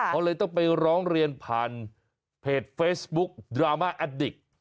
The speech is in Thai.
เขาเลยต้องไปร้องเรียนผ่านเพจเฟซบุ๊กดราม่าแอดดิก